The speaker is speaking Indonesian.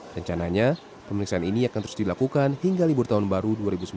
rencananya pemeriksaan ini akan terus dilakukan hingga libur tahun baru dua ribu sembilan belas